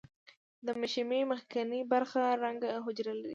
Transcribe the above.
د مشیمیې مخکینۍ برخه رنګه حجرې لري.